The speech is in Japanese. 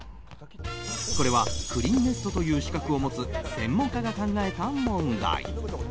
これはクリンネストという資格を持つ専門家が考えた問題。